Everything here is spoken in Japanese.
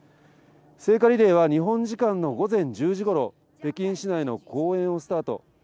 聖火リレーは日本時間の午前１０時頃、北京市内の公園をスタート。